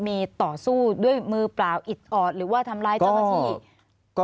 มีต่อสู้ด้วยมือเปล่าอิดออดหรือว่าทำร้ายเจ้าหน้าที่